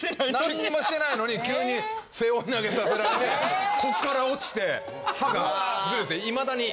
何にもしてないのに急に背負い投げさせられてこっから落ちて歯がズレていまだに。